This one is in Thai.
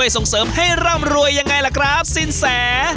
ส่งเสริมให้ร่ำรวยยังไงล่ะครับสินแส